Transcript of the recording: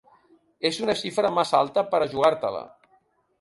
És una xifra massa alta per a jugar-te-la.